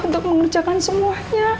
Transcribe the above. untuk mengerjakan semuanya